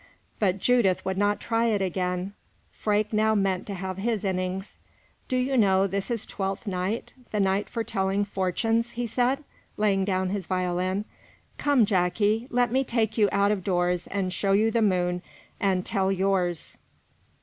But Judith would not try it again. Freke now meant to have his innings. "Do you know this is Twelfth night the night for telling fortunes?" he said, laying down his violin. "Come, Jacky, let me take you out of doors and show you the moon and tell yours."